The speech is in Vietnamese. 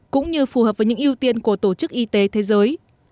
cũng như phù hợp với những ưu tiên của tổ chức y tế thế giới